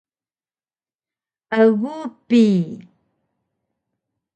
egu bi